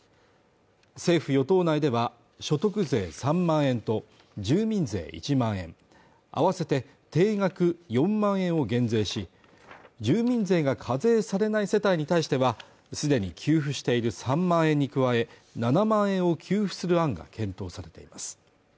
政府・与党内では所得税３万円と住民税１万円あわせて定額４万円を減税し住民税が課税されない世帯に対してはすでに給付している３万円に加え７万円を給付する案が検討されています